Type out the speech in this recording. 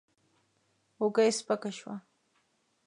اوږه يې سپکه شوه.